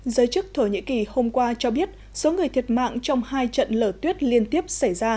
giới chức thổ nhĩ kỳ hôm qua cho biết số người thiệt mạng trong hai trận lở tuyết liên tiếp xảy ra